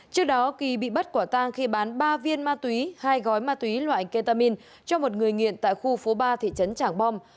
trước đó kỳ bị bắt quả tang khi bán ba viên ma túy hai gói ma túy loại ketamin cho một người nghiện tại khu phố ba thị trấn trảng bom